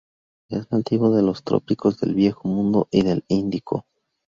Es nativo de los trópicos del Viejo Mundo y del Índico